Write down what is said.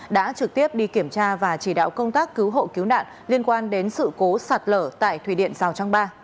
đã trực tiếp đi kiểm tra và chỉ đạo công tác cứu hộ cứu nạn liên quan đến sự cố sạt lở tại thủy điện rào trang ba